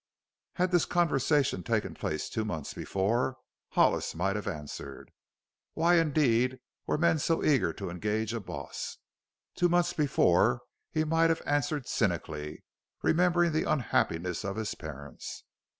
Had this conversation taken place two months before Hollis might have answered, Why, indeed, were men so eager to engage a boss? Two months before he might have answered cynically, remembering the unhappiness of his parents.